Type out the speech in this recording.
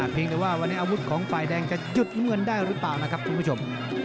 เพียงแต่ว่าวันนี้อาวุธของฝ่ายแดงจะหยุดน้ำเงินได้หรือเปล่านะครับคุณผู้ชม